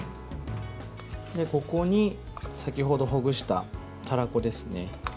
ここに先ほどほぐしたたらこですね。